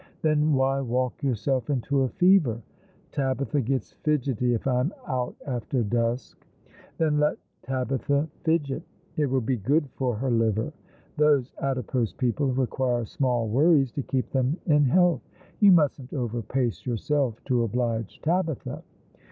" Then why walk yourself into a fever ?"" Tabitha gets fidgety if I am out after dusk." " Then let Tabitha fidget ! It will be good for her liver. Those adipose people require small worries to keep them in health. You mustn't over pace yourself to oblige Tabitha."